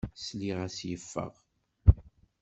Sliɣ-as yeffeɣ.